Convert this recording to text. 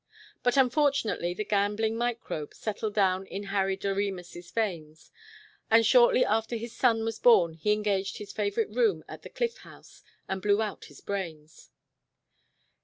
But unfortunately the gambling microbe settled down in Harry Doremus' veins, and shortly after his son was born he engaged his favorite room at the Cliff House and blew out his brains.